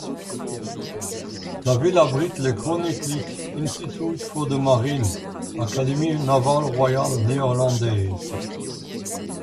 La ville abrite le Koninklijk Instituut voor de Marine, l'Académie navale royale néerlandaise.